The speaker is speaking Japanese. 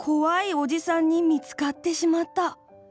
おじさんにみつかってしまった。